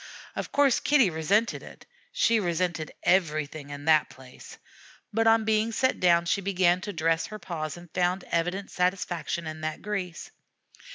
Of course Kitty resented it she resented everything in the place; but on being set down she began to dress her paws and found evident satisfaction in that grease.